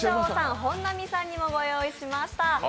本並さんにもご用意しました。